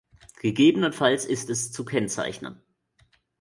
Gegebenenfalls ist es zu kennzeichnen.